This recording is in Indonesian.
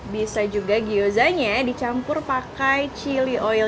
bisa juga gyozanya dicampur pakai chili oil